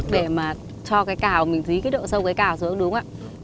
để mà cho cái cào mình thấy cái độ sâu cái cào xuống đúng không ạ